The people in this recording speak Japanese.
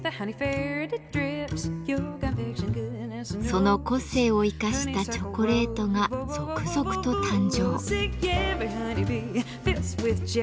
その個性を生かしたチョコレートが続々と誕生。